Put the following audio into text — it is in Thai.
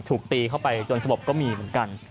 ตีเข้าไปจนสมบัติก็มีเหมือนกัน